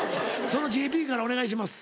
そのＪＰからお願いします。